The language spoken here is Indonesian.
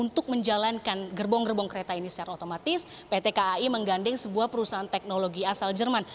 untuk menjalankan gerbong gerbong kereta ini secara otomatis pt kai menggandeng sebuah perusahaan teknologi asal jerman